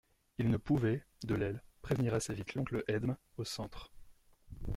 Il ne pouvait, de l'aile, prévenir assez vite l'oncle Edme, au centre.